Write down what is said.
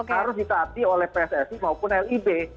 harus ditati oleh psrc maupun lib